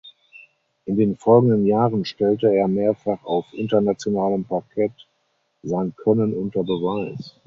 In den folgenden Jahren stellte er mehrfach auf internationalem Parkett sein Können unter Beweis.